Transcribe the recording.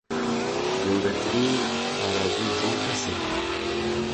گەورەترین ئارەزووی هەموو کەسێکە